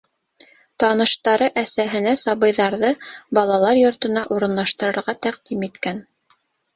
Таныштары әсәһенә сабыйҙарҙы балалар йортона урынлаштырырға тәҡдим иткән.